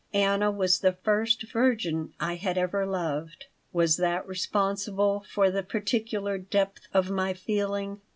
Anna was the first virgin I had ever loved. Was that responsible for the particular depth of my feeling?